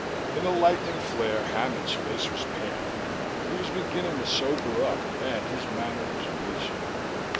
In the lightning flare, Hammond's face was pale. He was beginning to sober up, and his manner was uneasy.